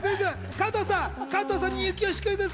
加藤さん加藤さんに征悦クイズッス。